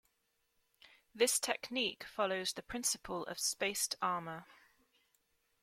This technique follows the principle of spaced armor.